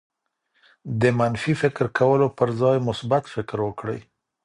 د منفي فکر کولو پر ځای مثبت فکر وکړئ.